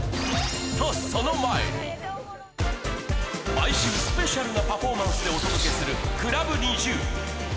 毎週スペシャルなパフォーマンスでお届けするＣｌｕＢＮｉｚｉＵ